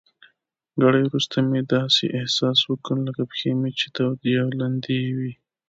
ګړی وروسته مې داسې احساس وکړل لکه پښې چي مې تودې او لندې وي.